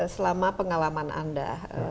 selama pengalaman anda